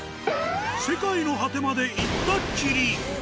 世界の果てまでイッタっきり。